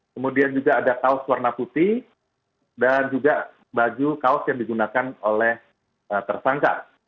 kemudian juga ada kaos warna putih dan juga baju kaos yang digunakan oleh tersangka